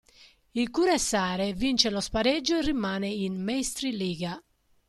Il Kuressaare vince lo spareggio e rimane in Meistriliiga.